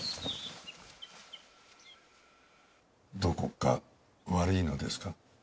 どこか悪いのですか？